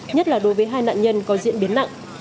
nhất là đối với hai nạn nhân có diễn biến nặng